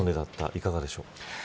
いかがでしょうか。